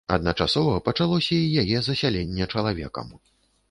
Адначасова пачалося і яе засяленне чалавекам.